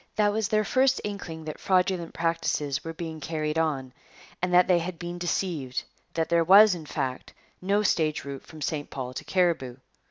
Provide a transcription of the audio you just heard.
That was their first inkling that fraudulent practices were being carried on and that they had been deceived, that there was, in fact, no stage route from St Paul to Cariboo.